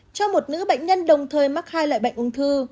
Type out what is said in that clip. cho một nữ bệnh nhân đồng thời mắc hai loại bệnh ung thư